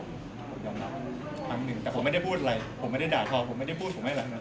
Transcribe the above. ผมยอมรับครั้งหนึ่งแต่ผมไม่ได้พูดอะไรผมไม่ได้ด่าทอผมไม่ได้พูดผมไม่อะไรนะ